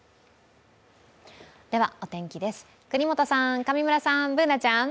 お天気です、國本さん、上村さん、Ｂｏｏｎａちゃん。